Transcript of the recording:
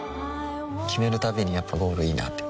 決めるたびにやっぱゴールいいなってふん